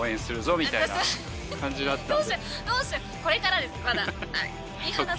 みたいな感じだったんで。